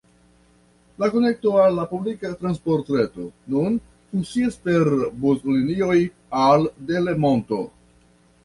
La konekto al la publika transportreto nun funkcias per buslinioj al Delemonto.